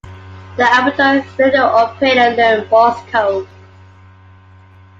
The amateur radio operator learned Morse Code.